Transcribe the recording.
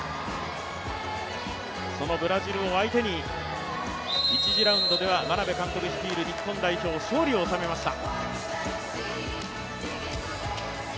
そのブラジルを相手に、１次ラウンドでは眞鍋監督率いる日本代表、勝利を収めました。